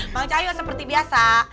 mangcah yuk seperti biasa